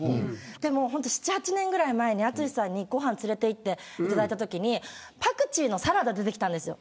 でも７、８年くらい前に淳さんにご飯連れていっていただいたときパクチーのサラダ出てきたんですよ。